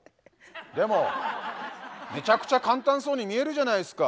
でもめちゃくちゃ簡単そうに見えるじゃないっすか」。